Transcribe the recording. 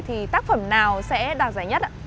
thì tác phẩm nào sẽ đạt giải nhất